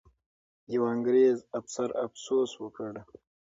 یو انګریزي افسر افسوس وکړ.